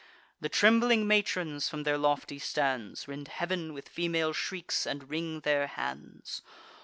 The trembling matrons, from their lofty stands, Rend heav'n with female shrieks, and wring their hands.